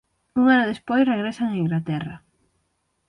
Un ano despois regresan a Inglaterra.